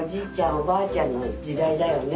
おばあちゃんのじだいだよね。